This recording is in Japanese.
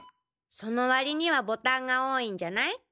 その割にはボタンが多いんじゃない？